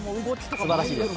素晴らしいです。